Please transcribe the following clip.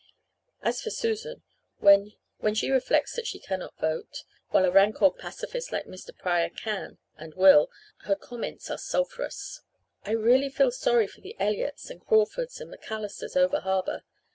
"As for Susan, when she reflects that she cannot vote, while a rank old pacifist like Mr. Pryor can and will her comments are sulphurous. "I really feel sorry for the Elliotts and Crawfords and MacAllisters over harbour.